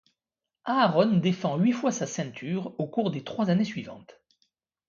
Aaron défend huit fois sa ceinture au cours des trois années suivantes.